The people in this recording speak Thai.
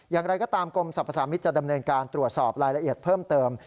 อย่างไรก็ตามกรมสรรพสามิตรจะดำเนินการตรวจสอบรายละเอียดเพิ่มเติม